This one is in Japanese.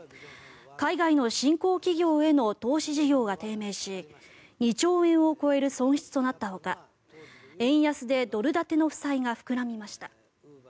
海外の新興企業への投資事業が低迷し２兆円を超える損失となったほか円安でドル建ての負債が膨らみました。